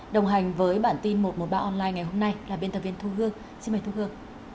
đồng hành với bản tin một trăm một mươi ba online ngày hôm nay là biên tập viên thu hương xin mời thu hương